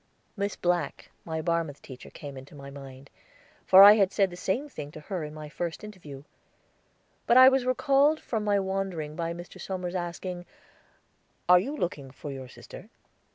Miss Black, my Barmouth teacher, came into my mind, for I had said the same thing to her in my first interview; but I was recalled from my wandering by Mr. Somers asking, "Are you looking for your sister?